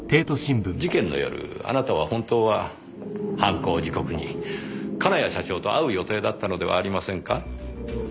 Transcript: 事件の夜あなたは本当は犯行時刻に金谷社長と会う予定だったのではありませんか？